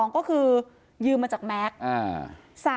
๒ก็คือยืมมาจากแม็กซ์